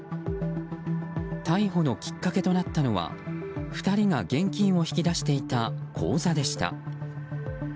逮捕のきっかけとなったのは２人が現金を引き出していた口座でした。